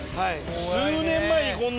数年前にこんな。